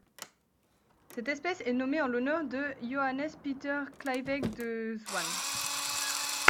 Cette espèce est nommée en l'honneur de Johannes Pieter Kleiweg de Zwaan.